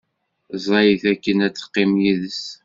Ẓẓayet akken ad teqqim yid-s.